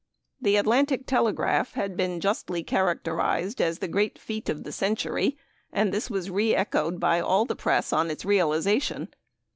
The Atlantic Telegraph had been justly characterized as the "great feat of the century," and this was reechoed by all the press on its realization.